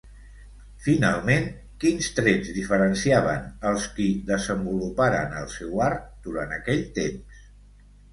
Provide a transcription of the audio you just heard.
Finalment, quins trets diferenciaven els qui desenvoluparen el seu art durant aquell temps?